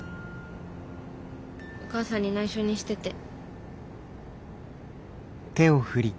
お母さんに内緒にしてて。